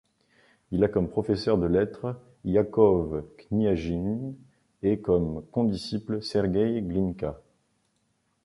Il a comme professeur de lettres Iakov Kniajnine et comme condisciple Sergueï Glinka.